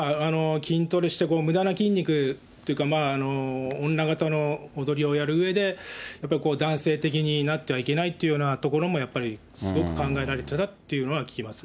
筋トレしてむだな筋肉っていうか、女形の踊りをやるうえで、やっぱり男性的になってはいけないっていうようなところもやっぱり、すごく考えられてたってのは聞きます。